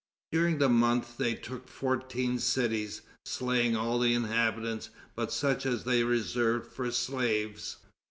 During the month they took fourteen cities, slaying all the inhabitants but such as they reserved for slaves.